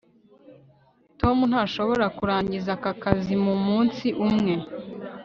tom ntashobora kurangiza aka kazi mumunsi umwe